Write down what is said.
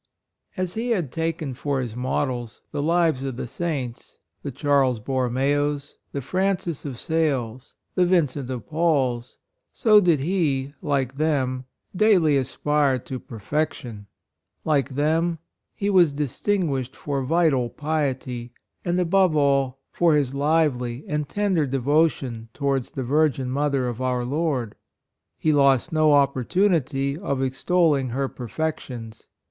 As he had taken for his models the lives of the Saints, the Charles *10 110 DEATH OF HIS MOTHER, Borrorneos, the Francis of Sales, the Vincent of Pauls, so did he, like them, daily aspire to perfec tion. Like them was he distin guished for vital piety, and, above all, for his lively and tender devo tion towards the Virgin Mother of our Lord. He lost no opportunity of extolling her perfections.